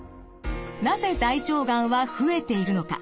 なぜ大腸がんは増えているのか？